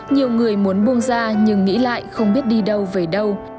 nhiều người muốn buông ra nhưng nghĩ lại không biết đi đâu về đâu